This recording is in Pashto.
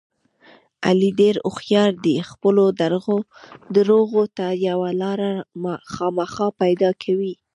علي ډېر هوښیار دی خپلو درغو ته یوه لاره خامخا پیدا کوي.